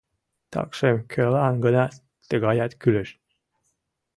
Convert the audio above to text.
Такшым кӧлан-гынат тыгаят кӱлеш.